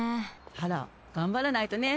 あらがんばらないとね。